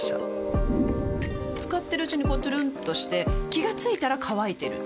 使ってるうちにこうトゥルンとして気が付いたら乾いてる